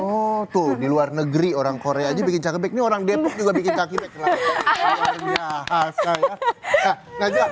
oh tuh di luar negeri orang korea aja bikin chunky bag ini orang depok juga bikin chunky bag